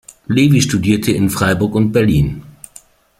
Levy studierte in Freiburg und Berlin.